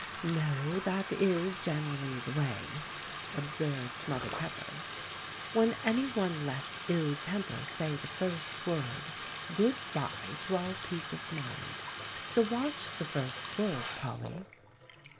"No, that is generally the way," observed Mother Pepper; "when any one lets ill temper say the first word, good by to all peace of mind. So watch the first word, Polly."